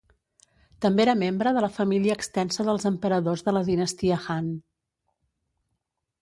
També era membre de la família extensa dels emperadors de la dinastia Han.